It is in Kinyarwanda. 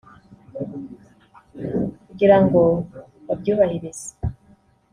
kugira ngo babyubahirize